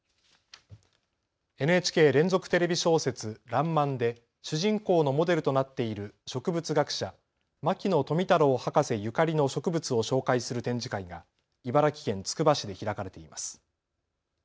ＮＨＫ連続テレビ小説、らんまんで主人公のモデルとなっている植物学者、牧野富太郎博士ゆかりの植物を紹介する展示会が茨城県つくば市で開かれています。